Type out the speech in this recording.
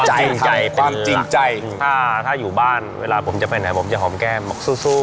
จริงใจความจริงใจถ้าอยู่บ้านเวลาผมจะไปไหนผมจะหอมแก้มบอกสู้